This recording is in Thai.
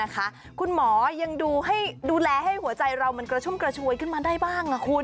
คุณหมอยังดูแลให้หัวใจเรากระชดกระชวยกันมาได้บ้าง